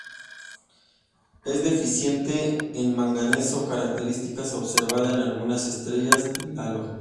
Es deficiente en manganeso, característica observada en algunas estrellas del halo.